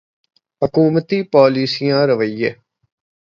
حکومتی پالیسیاں روپے